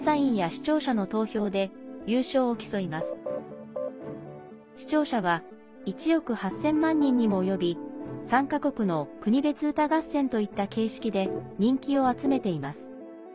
視聴者は１億８０００万人にも及び参加国の国別歌合戦といった形式で人気を集めています。